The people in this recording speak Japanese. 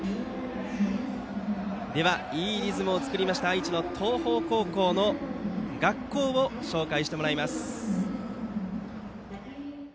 では、いいリズムを作りました愛知の東邦高校の学校を紹介してもらいます。